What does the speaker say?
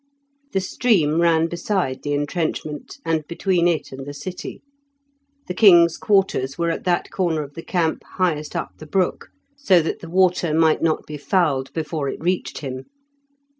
The stream ran beside the entrenchment, and between it and the city; the king's quarters were at that corner of the camp highest up the brook, so that the water might not be fouled before it reached him.